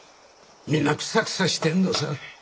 みんなくさくさしてんのさ。